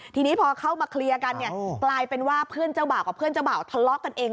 ทีนี้พอเข้ามาเคลียร์กันเนี่ยกลายเป็นว่าเพื่อนเจ้าบ่าวกับเพื่อนเจ้าบ่าวทะเลาะกันเอง